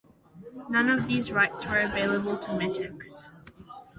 None of these rights were available to metics.